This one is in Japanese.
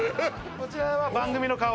こちらは番組の顔！